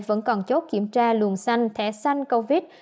vẫn còn chốt kiểm tra luồng xanh thẻ xanh covid